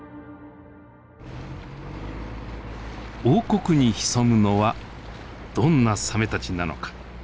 王国に潜むのはどんなサメたちなのか。